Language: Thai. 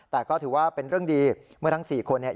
แต่ก็ถือว่าเป็นเรื่องดีเมื่อทั้ง๔คนเนี่ย